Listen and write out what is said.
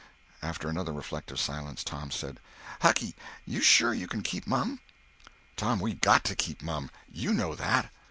After another reflective silence, Tom said: "Hucky, you sure you can keep mum?" "Tom, we got to keep mum. You know that.